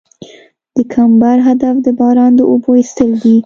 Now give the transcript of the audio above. د کمبر هدف د باران د اوبو ایستل دي